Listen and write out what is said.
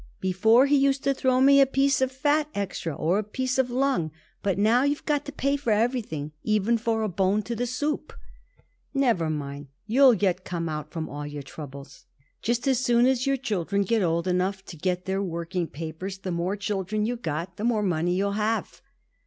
Before, he used to throw me in a piece of fat extra or a piece of lung, but now you got to pay for everything, even for a bone to the soup." "Never mind; you'll yet come out from all your troubles. Just as soon as your children get old enough to get their working papers the more children you got, the more money you'll have."